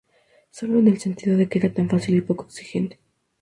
Sólo en el sentido de que era tan fácil y poco exigente".